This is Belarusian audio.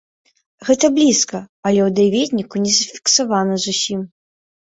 Гэта блізка, але ў даведніку не зафіксавана зусім.